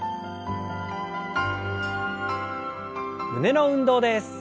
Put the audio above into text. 胸の運動です。